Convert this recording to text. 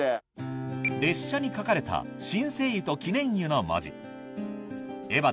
列車に書かれた「新生湯」と「記念湯」の文字『エヴァ』